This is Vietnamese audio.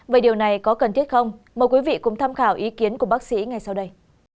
vậy điều này có cần thiết không mời quý vị cùng tham khảo ý kiến của bác sĩ ngay sau đây